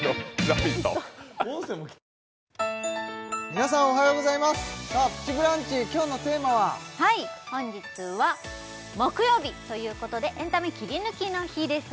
皆さんおはようございますさあ「プチブランチ」今日のテーマははい本日は木曜日ということでエンタメキリヌキの日です